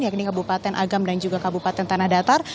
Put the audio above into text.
yakni kabupaten agam dan juga kabupaten tanah datar